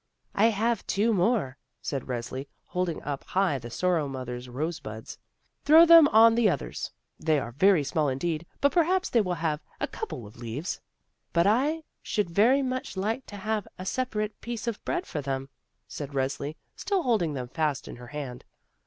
"I have two more," said Resli, holding up high the Sorrow mother's rose buds. "Throw them on the others; they are very small indeed, but perhaps they will have a couple of leaves." "But I should very much like to have a sep arate piece of bread for them," said Resli, stiH holding them fast in her hand.